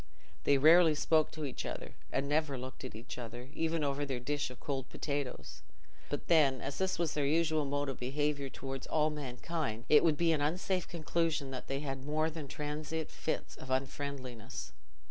They rarely spoke to each other, and never looked at each other, even over their dish of cold potatoes; but then, as this was their usual mode of behaviour towards all mankind, it would be an unsafe conclusion that they had more than transient fits of unfriendliness.